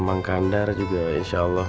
mangkandar juga insyaallah